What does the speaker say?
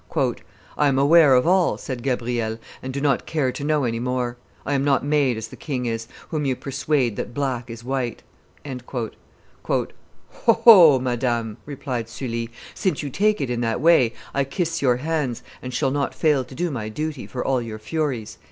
"I am aware of all," said Gabrielle, "and do not care to know any more; I am not made as the king is, whom you persuade that black is white." "Ho! ho! madame," replied Sully, "since you take it in that way, I kiss your hands, and shall not fail to do my duty for all your furies."